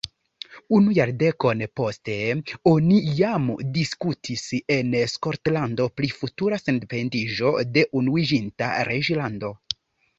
Unu jardekon poste, oni jam diskutis en Skotlando pri futura sendependiĝo de Unuiĝinta Reĝlando.